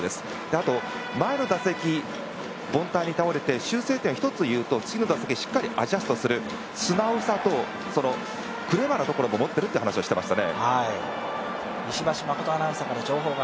あと、前の打席、凡退に倒れて修正点を１つ言うと次の打席はしっかとりアジャストする、素直さとクレバーなところも持ってるという話をしてました。